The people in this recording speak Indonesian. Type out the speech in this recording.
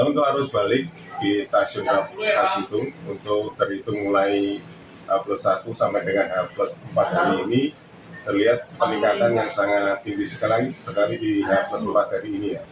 untuk arus balik di stasiun rangkas bitung untuk terhitung mulai hapus satu sampai dengan hapus empat hari ini terlihat peningkatan yang sangat tinggi sekali di hapus empat hari ini